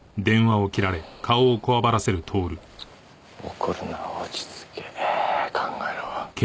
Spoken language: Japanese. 怒るな落ち着け考えろ。